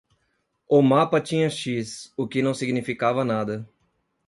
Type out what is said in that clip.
O mapa tinha X, o que não significava nada.